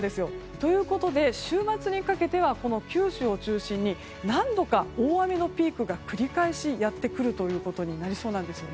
ということで週末にかけては九州を中心に何度か大雨のピークが繰り返しやってくることになりそうなんです。